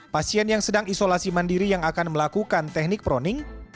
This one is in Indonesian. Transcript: pasien yang sedang isolasi mandiri yang akan melakukan teknik proning